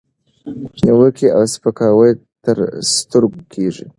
نیوکې او سپکاوي تر سترګو کېږي،